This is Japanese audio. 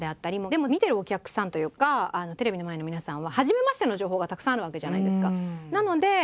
でも見てるお客さんというかテレビの前の皆さんは「初めまして」の情報がたくさんあるわけじゃないですか。